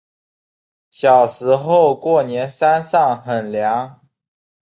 小时候过年山上很凉